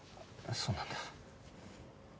そうなんだ。